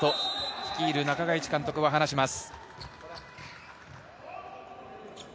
率いる中垣内監督は話します。